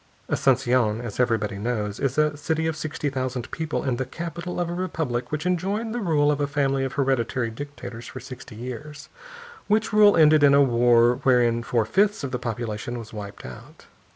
Asunción, as everybody knows, is a city of sixty thousand people, and the capital of a republic which enjoyed the rule of a family of hereditary dictators for sixty years; which rule ended in a war wherein four fifths of the population was wiped out.